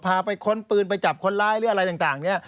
พาไปค้นปืนไปจับคนร้ายหรืออะไรต่างเนี่ย